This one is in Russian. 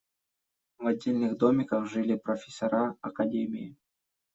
В отдельных домиках жили профессора академии.